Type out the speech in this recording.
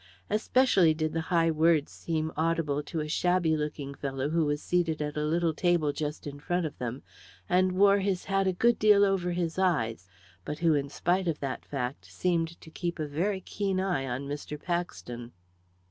Especially did the high words seem audible to a shabby looking fellow who was seated at a little table just in front of them, and wore his hat a good deal over his eyes, but who, in spite of that fact, seemed to keep a very keen eye on Mr. Paxton.